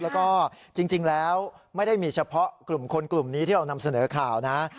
แล้วก็จริงแล้วไม่ได้มีเฉพาะกลุ่มคนกลุ่มนี้ที่เรานำเสนอข่าวนะ